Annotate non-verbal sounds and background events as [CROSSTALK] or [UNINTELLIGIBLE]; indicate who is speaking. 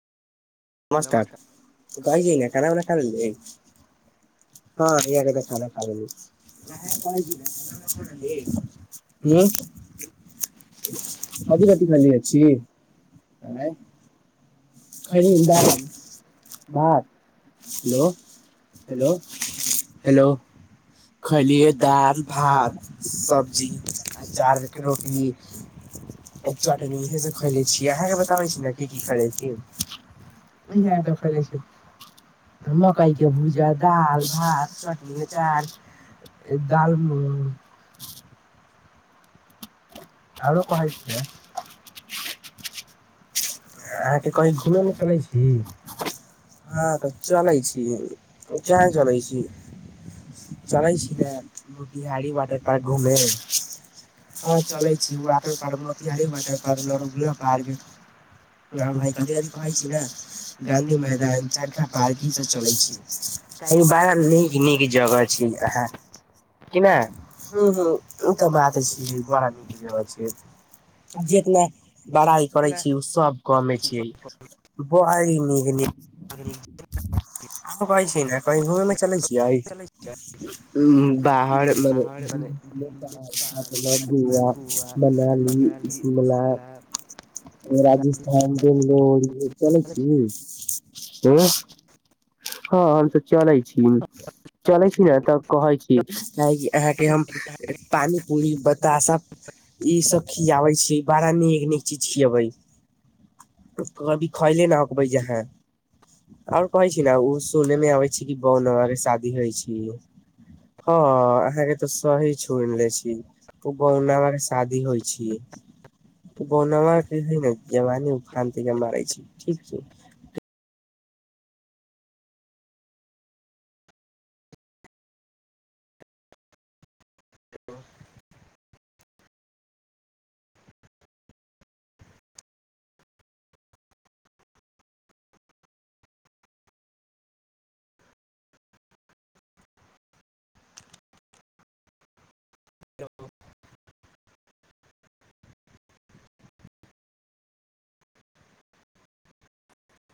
Speaker 1: नमस्कार कहइ छी ना खाना उना खा लेलही हं हैया के त खाना खा लेलइअइ हूं कथी कथी खअले अछी
Speaker 2: खैली ह दाल भात हलो हेलो हेलो
Speaker 1: खयलियै दाल भात सब्जी चारगो रोटी ओ चटनीे से खैले छीअइ अहाँके बताबै छी नेकी की खएने छी इह देखख छै [UNINTELLIGIBLE] मकइ के भूजा दाल भात चटनी अचार दालमुट औरो कहइैछीअइ अहाँके कही घुमय ले चलैइछी हँ तऽ चलै छी कंहा चलै छी चलै छी ना मोतिहारी वाटर पार्क घुमे हँअ् चलैइ छी वाटरपार्क मोतिहारी वाटरपार्क लरधुपार्क
Speaker 2: और भाई कथि कथि कहैइ छी ने गाँधी मैदान चरखा पार्क ईसभ चलैइ छी
Speaker 1: अओ बरा नीक नीक जगह छै आंहा कि ना हूं हूं ई त बात छीहि बरा नीक जगह छैइ जेतना लड़ाई करै छी ओ सब कमे छी बड़ी नीक नीक
Speaker 2: अरी [INAUDIBLE]
Speaker 1: हम कहै छी ना कंही घूम उमे चलै छीअइ उ बाहडर माने प गोवा मनाली
Speaker 2: कभी शिमला
Speaker 1: राजस्थान बंगलोर इ चलैइ छी हूं हँअ् हम त चलैइ छी चलैइ छी ने तऽ कहै छी काहेकि अहाँके हम पानी पूरी बताशा ई सब खिआबैइ छी बड़ा नीक नीक चीज खियबैइ कभी खयले न होबै जे अहां आओर कहै छी ना ओ सुने में आबै छी कि बबन भैया के शादी होइ छी हँ अहाँके तऽ सही छोनि ले छी ओ बबन बाबा के शादी होइ छी
Speaker 2: [INAUDIBLE]
Speaker 1: बबनमा की हइ ने जवानी उफान त मारै छी ठीक छी
Speaker 2: तो हल्लो